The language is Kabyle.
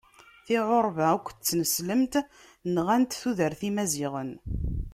Tiɛuṛba akked tineslemt nɣant tudert n yimaziɣen.